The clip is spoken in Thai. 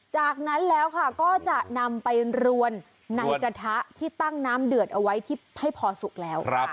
จากนั้นแล้วค่ะก็จะนำไปรวนในกระทะที่ตั้งน้ำเดือดเอาไว้ที่ให้พอสุกแล้ว